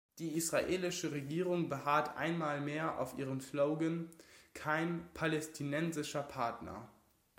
Die israelische Regierung beharrt einmal mehr auf ihrem Slogan "Kein palästinensischer Partner".